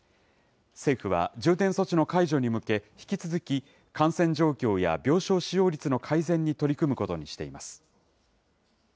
政府は、重点措置の解除に向け、引き続き感染状況や病床使用率の改善に取り組むことにしています。